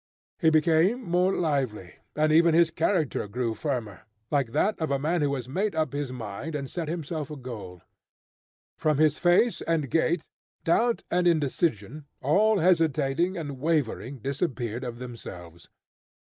He became more lively, and even his character grew firmer, like that of a man who has made up his mind, and set himself a goal. From his face and gait, doubt and indecision, all hesitating and wavering disappeared of themselves.